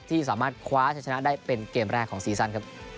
ที่สามารถคว้าชะชนะได้เป็นเกมแรกของซีซั่นครับ